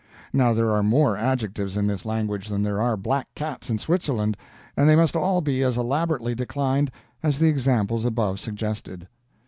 Now there are more adjectives in this language than there are black cats in Switzerland, and they must all be as elaborately declined as the examples above suggested.